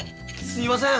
すいません